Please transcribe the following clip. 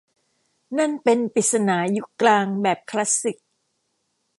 นั่นเป็นปริศนายุคกลางแบบคลาสสิก